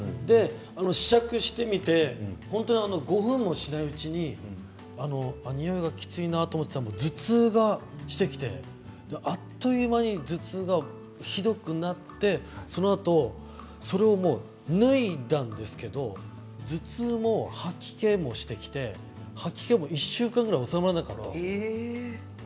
試着して５分もしないうちににおいがきついなと思ったら頭痛がしてきてあっという間にひどくなってその後、シャツを脱いだんですけれど頭痛も吐き気もしてきて吐き気も１週間ぐらい収まらなかったんです。